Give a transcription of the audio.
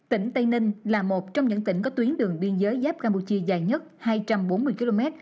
tỉnh tây ninh là một trong những tỉnh có tuyến đường biên giới giáp campuchia dài nhất hai trăm bốn mươi km